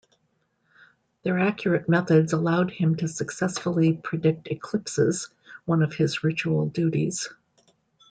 Their accurate methods allowed him to successfully predict eclipses, one of his ritual duties.